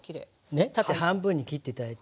ね縦半分に切って頂いて。